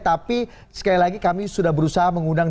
tapi sekali lagi kami sudah berusaha mengundang